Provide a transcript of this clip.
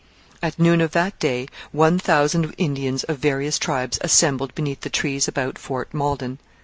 At noon of that day one thousand Indians of various tribes assembled beneath the trees about Fort Malden.